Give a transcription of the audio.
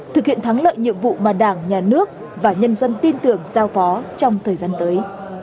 thực hiện thắng lợi nhiệm vụ mà đảng nhà nước và nhân dân tin tưởng giao phó trong thời gian tới